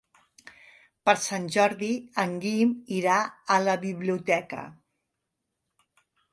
Per Sant Jordi en Guim irà a la biblioteca.